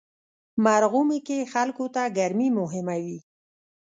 مرغومی کې خلکو ته ګرمي مهمه وي.